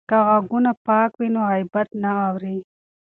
که غوږونه پاک وي نو غیبت نه اوري.